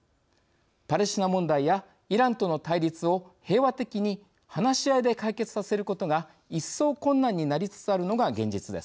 パレスチナ問題やイランとの対立を平和的に話し合いで解決させることが一層困難になりつつあるのが現実です。